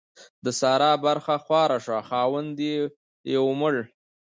د سارا برخه خواره شوه؛ خاوند يې ومړ.